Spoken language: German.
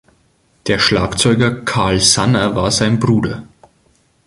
Der Schlagzeuger Karl Sanner war sein Bruder.